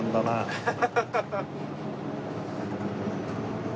ハハハハ！